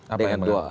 apa yang mengaruh